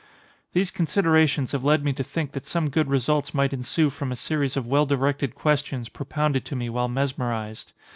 "These considerations have led me to think that some good results might ensue from a series of well directed questions propounded to me while mesmerized.